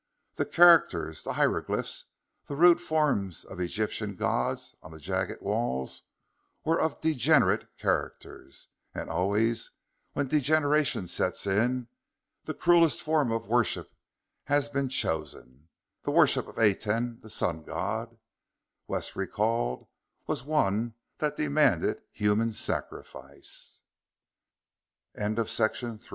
The characters, the hieroglyphs, the rude forms of Egyptian gods on the jagged walls were of degenerate character and always, when degeneration sets in, the cruellest form of worship has been chosen. The worship of Aten, the Sun God, Wes recalled, was one that demanded human sacrifice.... Still they went down.